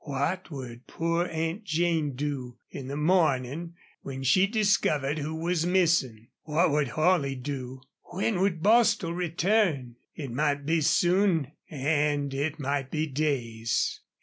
What would poor Aunt Jane do in the morning when she discovered who was missing? What would Holley do? When would Bostil return? It might be soon and it might be days.